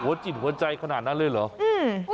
จิตหัวใจขนาดนั้นเลยเหรอ